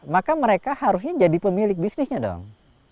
maka mereka harusnya jadi pemilik bisnisnya dong